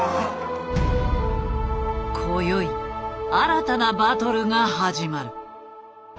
こよい新たなバトルが始まる。